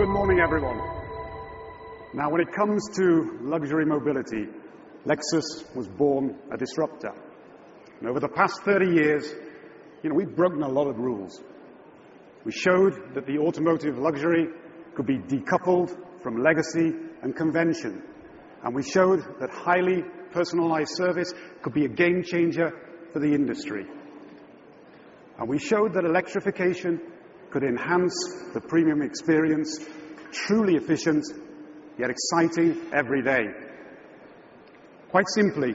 Well, good morning, everyone. Now, when it comes to luxury mobility, Lexus was born a disruptor. Over the past 30 years, you know, we've broken a lot of rules. We showed that the automotive luxury could be decoupled from legacy and convention, and we showed that highly personalized service could be a game changer for the industry. We showed that electrification could enhance the premium experience, truly efficient, yet exciting every day. Quite simply,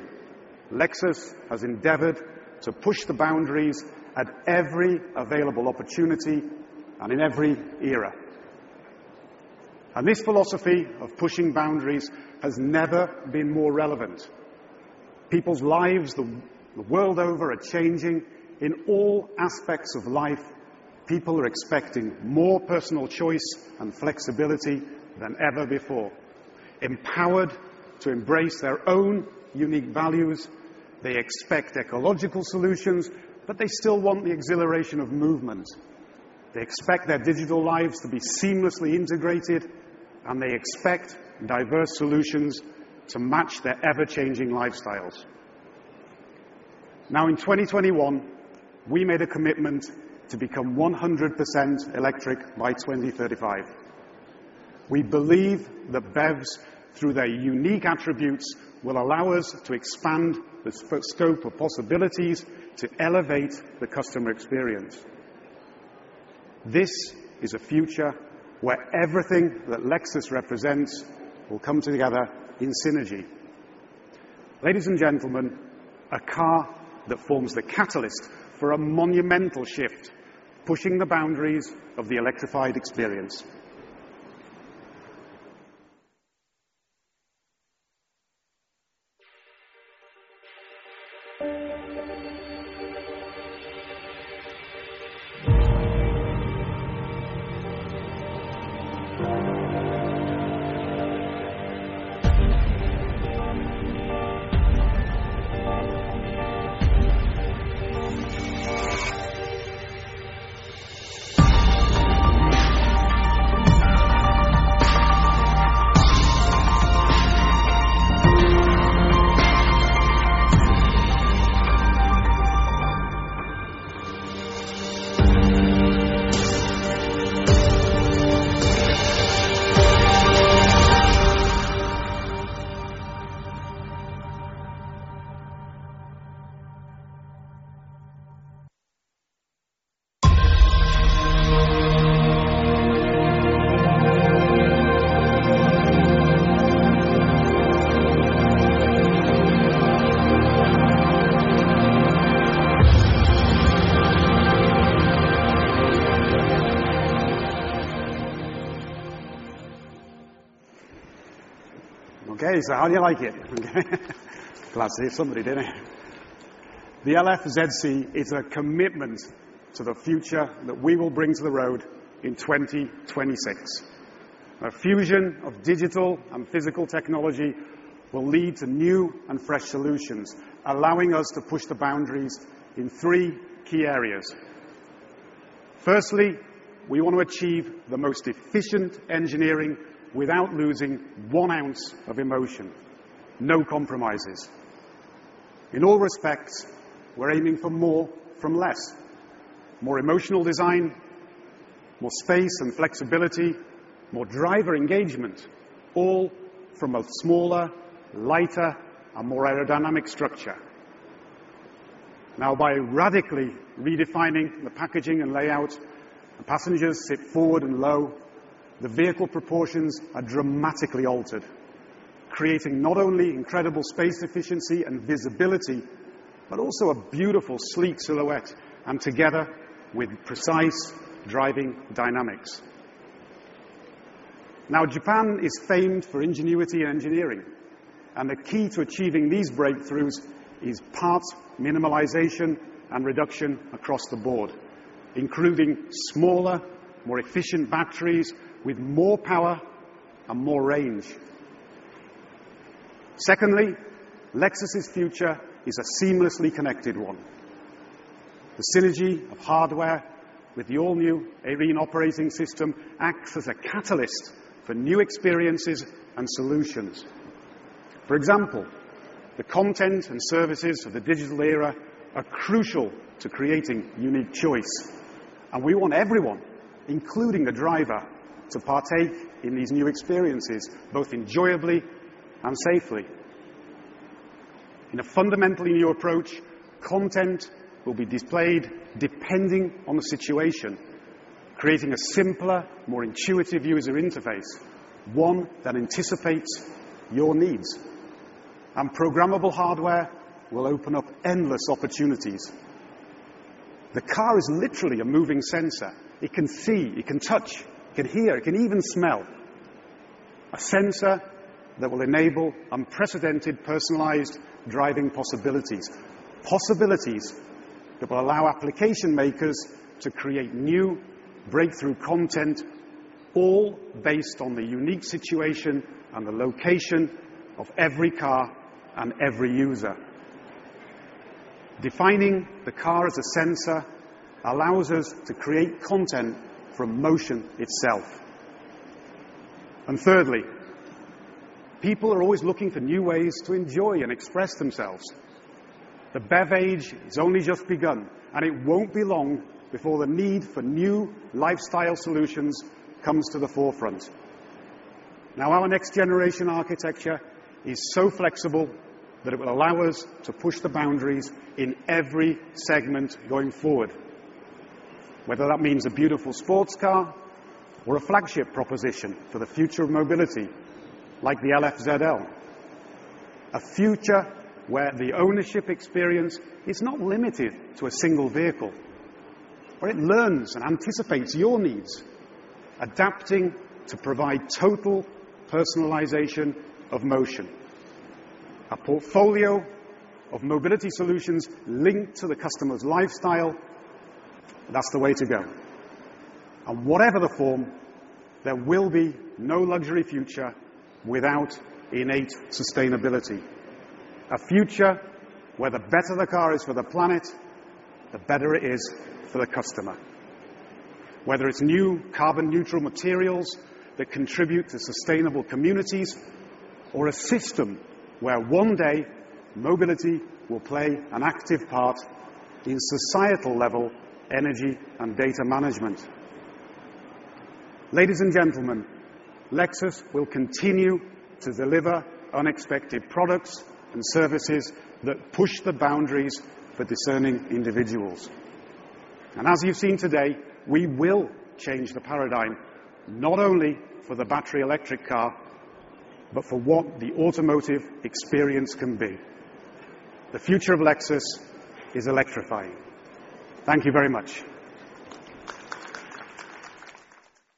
Lexus has endeavored to push the boundaries at every available opportunity and in every era. This philosophy of pushing boundaries has never been more relevant. People's lives, the world over, are changing. In all aspects of life, people are expecting more personal choice and flexibility than ever before. Empowered to embrace their own unique values, they expect ecological solutions, but they still want the exhilaration of movement. They expect their digital lives to be seamlessly integrated, and they expect diverse solutions to match their ever-changing lifestyles. Now, in 2021, we made a commitment to become 100% electric by 2035. We believe that BEVs, through their unique attributes, will allow us to expand the scope of possibilities to elevate the customer experience. This is a future where everything that Lexus represents will come together in synergy. Ladies and gentlemen, a car that forms the catalyst for a monumental shift, pushing the boundaries of the electrified experience. Okay, so how do you like it? Glad to see somebody in it. The LF-ZC is a commitment to the future that we will bring to the road in 2026. A fusion of digital and physical technology will lead to new and fresh solutions, allowing us to push the boundaries in three key areas. Firstly, we want to achieve the most efficient engineering without losing one ounce of emotion. No compromises. In all respects, we're aiming for more from less: more emotional design, more space and flexibility, more driver engagement, all from a smaller, lighter, and more aerodynamic structure. Now, by radically redefining the packaging and layout, the passengers sit forward and low, the vehicle proportions are dramatically altered, creating not only incredible space efficiency and visibility, but also a beautiful, sleek silhouette, and together with precise driving dynamics. Now, Japan is famed for ingenuity and engineering, and the key to achieving these breakthroughs is parts minimalization and reduction across the board, including smaller, more efficient batteries with more power and more range. Secondly, Lexus's future is a seamlessly connected one. The synergy of hardware with the all-new Arene OS acts as a catalyst for new experiences and solutions. For example, the content and services of the digital era are crucial to creating unique choice, and we want everyone, including the driver, to partake in these new experiences, both enjoyably and safely. In a fundamentally new approach, content will be displayed depending on the situation, creating a simpler, more intuitive user interface, one that anticipates your needs. And programmable hardware will open up endless opportunities. The car is literally a moving sensor. It can see, it can touch, it can hear, it can even smell. A sensor that will enable unprecedented personalized driving possibilities. Possibilities that will allow application makers to create new breakthrough content, all based on the unique situation and the location of every car and every user. Defining the car as a sensor allows us to create content from motion itself. And thirdly, people are always looking for new ways to enjoy and express themselves. The BEV age has only just begun, and it won't be long before the need for new lifestyle solutions comes to the forefront. Now, our next-generation architecture is so flexible that it will allow us to push the boundaries in every segment going forward, whether that means a beautiful sports car or a flagship proposition for the future of mobility, like the LF-ZL. A future where the ownership experience is not limited to a single vehicle, but it learns and anticipates your needs, adapting to provide total personalization of motion. A portfolio of mobility solutions linked to the customer's lifestyle, that's the way to go. And whatever the form, there will be no luxury future without innate sustainability. A future where the better the car is for the planet, the better it is for the customer. Whether it's new carbon-neutral materials that contribute to sustainable communities, or a system where one day, mobility will play an active part in societal-level energy and data management. Ladies and gentlemen, Lexus will continue to deliver unexpected products and services that push the boundaries for discerning individuals. As you've seen today, we will change the paradigm, not only for the battery electric car, but for what the automotive experience can be. The future of Lexus is electrifying. Thank you very much.